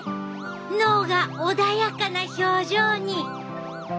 脳が穏やかな表情に！